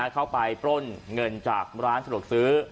ปล้นเงินจากร้านสะดวกซื้อ